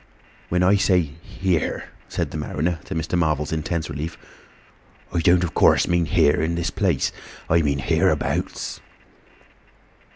"When I say here," said the mariner, to Mr. Marvel's intense relief, "I don't of course mean here in this place, I mean hereabouts."